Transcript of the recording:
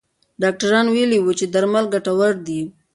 ډاکټران ویلي وو چې درمل ګټور دي.